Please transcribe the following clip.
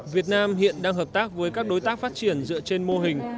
việt nam hiện đang hợp tác với các đối tác phát triển dựa trên mô hình